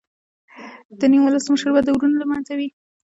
د نیم ولس مشر به د ورونو له منځه وي.